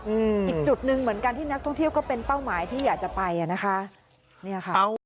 อีกจุดหนึ่งเหมือนกันที่นักท่องเที่ยวก็เป็นเป้าหมายที่อยากจะไป